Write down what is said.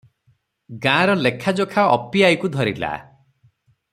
ଗାଁର ଲେଖାଯୋଖା ଅପି ଆଈକୁ ଧରିଲା ।